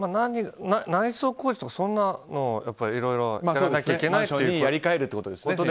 内装工事とかそんなのをやらなきゃいけないということですよね。